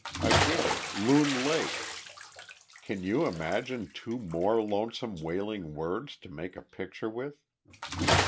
Again Loon Lake. Can you imagine two more lonesome wailing words to make a picture with?